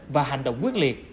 và hành động quyết liệt